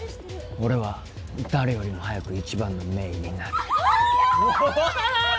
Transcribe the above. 俺は誰よりも早く一番の名医になる。